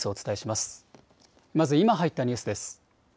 まず今入ったニュースです。